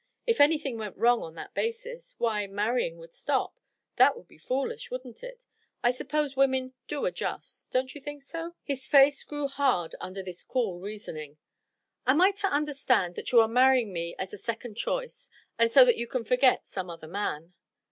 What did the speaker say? If anything went wrong on that basis why, marrying would stop? That would be foolish, wouldn't it? I suppose women do adjust? Don't you think so?" His face grew hard under this cool reasoning. "Am I to understand that you are marrying me as a second choice, and so that you can forget some other man?"